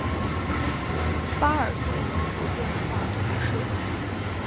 巴尔杜人口变化图示